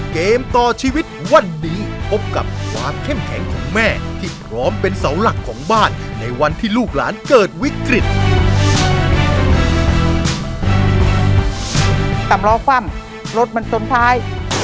เกมต่อชีวิตวันนี้พบกับความเข้มแข็งของแม่ที่พร้อมเป็นเสาหลักของบ้านในวันที่ลูกหลานเกิดวิกฤต